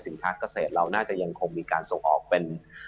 ภาคเกษตรเราน่าจะยังคงมีการส่งออกเป็น